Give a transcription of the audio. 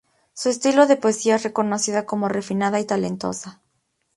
Su estilo de poesía es conocida como refinada y talentosa.